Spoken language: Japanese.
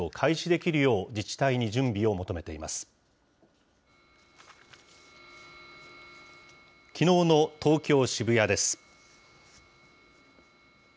きのうの東京・渋谷です。